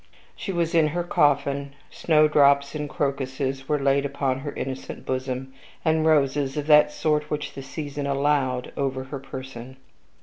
She was in her coffin; snowdrops and crocuses were laid upon her innocent bosom, and roses, of that sort which the season allowed, over her person.